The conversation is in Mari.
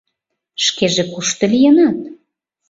— Шкеже кушто лийынат?